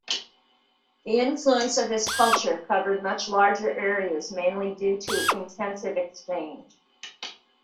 The influence of this culture covered much larger areas mainly due to intensive exchange.